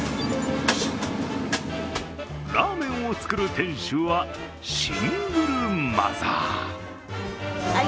ラーメンを作る店主はシングルマザー。